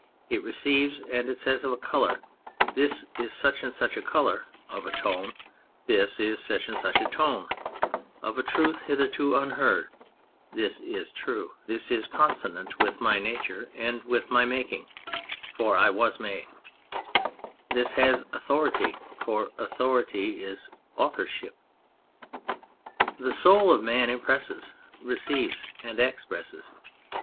It receives and it says of a colour, " This is such and such a colour "; of a tone, " This is such and such a tone "; of a truth hitherto unheard, "This is true this is consonant with my nature, and with my making (for I was made) ; this has Authority, for Authority is author ship." The soul of man impresses, receives and expresses.